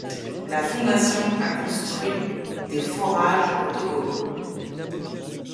La Fondation a construit des forages au Togo.